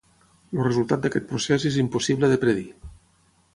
El resultat d’aquest procés és impossible de predir.